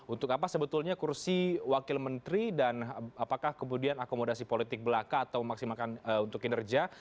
untuk apa sebetulnya kursi wakil menteri dan apakah kemudian akomodasi politik belaka atau memaksimalkan untuk kinerja